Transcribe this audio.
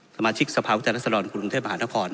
ธรรมชี่สภาพขู่พลันธุ์เธอประหารถอน